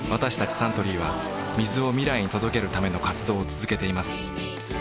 サントリーは水を未来に届けるための活動を続けています